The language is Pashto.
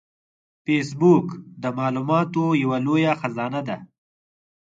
فېسبوک د معلوماتو یو لوی خزانه ده